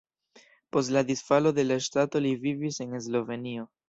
Post la disfalo de la ŝtato li vivis en Slovenio.